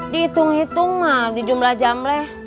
dihitung hitung mah di jumlah jam lah